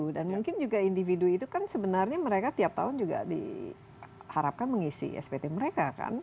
dan mungkin juga individu itu kan sebenarnya mereka tiap tahun juga diharapkan mengisi spt mereka kan